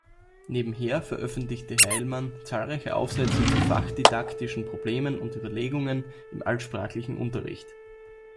Nebenher veröffentlichte Heilmann zahlreiche Aufsätze zu fachdidaktischen Problemen und Überlegungen im Altsprachlichen Unterricht.